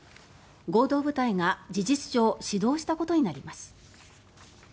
合同部隊が事実上始動したことになります。